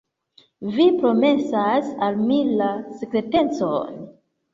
Vi promesas al mi la sekretecon?